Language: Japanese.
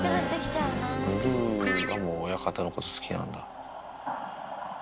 ブルーがもう親方のこと好きなんだ。